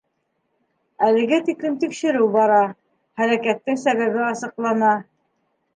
Әлегә тиклем тикшереү бара, һәләкәттең сәбәбе асыҡлана.